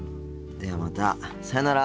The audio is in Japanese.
ではまたさよなら。